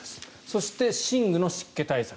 そして、寝具の湿気対策。